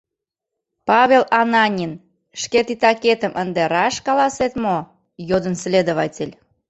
— Павел Ананин, шке титакетым ынде раш каласет мо? — йодын следователь.